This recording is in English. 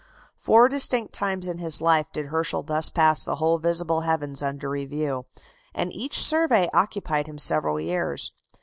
Four distinct times in his life did Herschel thus pass the whole visible heavens under review; and each survey occupied him several years.